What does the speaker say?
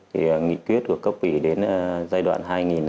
thì nghị quyết của cấp ủy đến giai đoạn hai nghìn một mươi sáu hai nghìn hai mươi